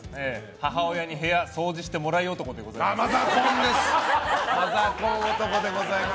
母親に部屋掃除してもらい男です。